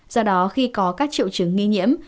do đó khi có các triệu chứng nghi nhiễm